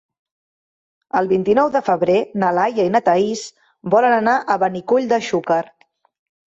El vint-i-nou de febrer na Laia i na Thaís volen anar a Benicull de Xúquer.